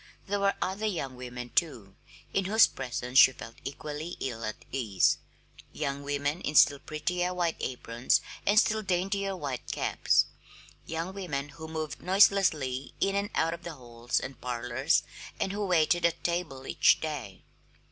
There were other young women, too, in whose presence she felt equally ill at ease; young women in still prettier white aprons and still daintier white caps; young women who moved noiselessly in and out of the halls and parlors and who waited at table each day.